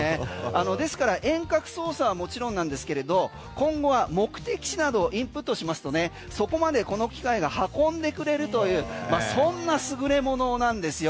ですから遠隔操作はもちろんなんですけれど今後は目的地などをインプットしますとそこまでこの機械が運んでくれるというそんな優れものなんですよ。